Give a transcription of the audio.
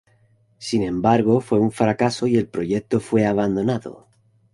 Sin embargo, fue un fracaso y el proyecto fue abandonado.